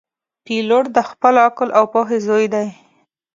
پیلوټ د خپل عقل او پوهې زوی دی.